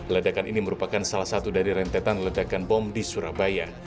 ledakan ini merupakan salah satu dari rentetan ledakan bom di surabaya